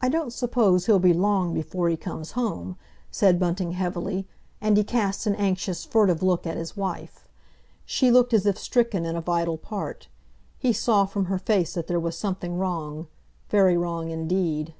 "I don't suppose he'll be long before he comes home," said Bunting heavily, and he cast an anxious, furtive look at his wife. She looked as if stricken in a vital part; he saw from her face that there was something wrong—very wrong indeed.